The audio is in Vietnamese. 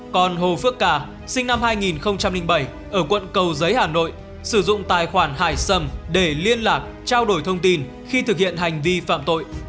còn hồ phước cà sinh năm hai nghìn bảy ở quận cầu giấy hà nội sử dụng tài khoản hải sầm để liên lạc trao đổi thông tin khi thực hiện hành vi phạm tội